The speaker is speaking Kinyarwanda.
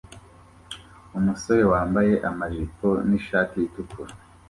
Umusore wambaye amajipo nishati itukura